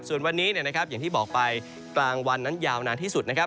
ส่วนวันนี้นะครับอย่างที่บอกไปกลางวันนั้นยาวนานที่สุดนะครับ